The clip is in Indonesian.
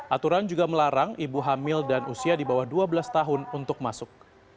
aturan juga melarang ibu hamil dan usia di bawah dua belas tahun untuk masuk